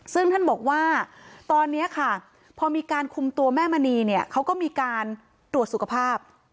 ซึ่งท่านบอกว่าตอนนี้ค่ะพอมีการคุมตัวแม่มณีเนี่ยเขาก็มีการตรวจสุขภาพ